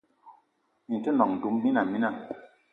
Mini te nòṅ duma mina mina